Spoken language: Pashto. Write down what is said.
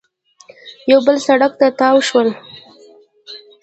یو بل سړک ته تاو شول